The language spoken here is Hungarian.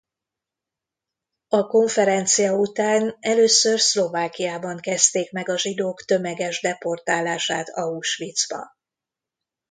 A konferencia után először Szlovákiában kezdték meg a zsidók tömeges deportálását Auschwitzba.